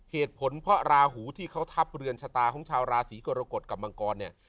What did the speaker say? เหตุผลเพราะราหูที่เขาทับเรือนชะตาของชาวราศีกรกฎกับมังกรเนี่ย